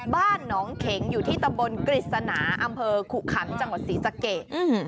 บ้านหนองเข็งอยู่ที่ตำบลกฤษณาอำเภอขุขันจังหวัดศรีสะเกด